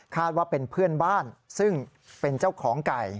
ว่าเป็นเพื่อนบ้านซึ่งเป็นเจ้าของไก่